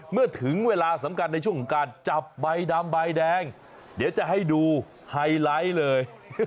เมื่อถึงเวลาสำคัญในช่วงของการจับใบดำใบแดงเดี๋ยวจะให้ดูไฮไลท์เลย